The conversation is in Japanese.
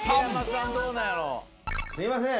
すいません。